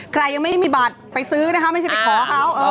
ใครยังไม่ได้มีบัตรไปซื้อนะคะไม่ใช่ไปขอเขา